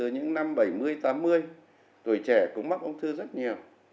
từ những thế kỷ hai mươi từ những năm bảy mươi tám mươi tuổi trẻ cũng mắc ung thư rất nhiều